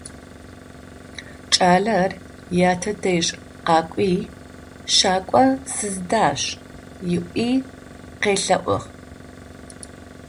Кӏалэр ятэ дэжь къакӏуи: «Шакӏо сыздащ», - ыӏуи къелъэӏугъ.